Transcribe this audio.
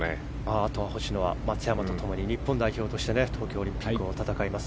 あとは星野は松山と共に日本代表として東京オリンピックを戦います。